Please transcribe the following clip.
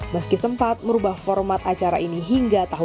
meski sempat merubah format acaranya